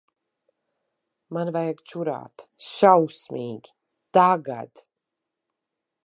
Man vajag čurāt. Šausmīgi. Tagad.